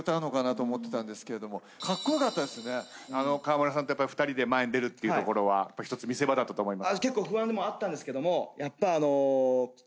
河邑さんと２人で前に出るっていうところはひとつ見せ場だったと思います。